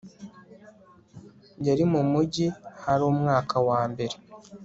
yari mu mujyi hari umwaka mbere